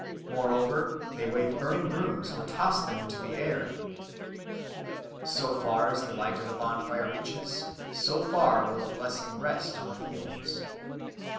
Moreover, they wave burning brooms or toss them into the air. So far as the light of the bonfire reaches, so far will a blessing rest on the fields.